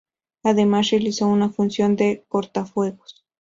Además, realiza una función de cortafuegos.